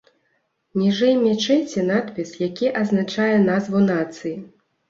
Ніжэй мячэці надпіс, які азначае назву нацыі.